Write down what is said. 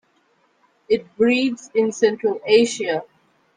It breeds in central Asia.